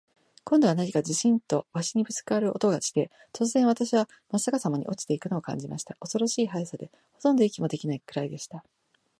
今度は何かズシンと鷲にぶっつかる音がして、突然、私はまっ逆さまに落ちて行くのを感じました。恐ろしい速さで、ほとんど息もできないくらいでした。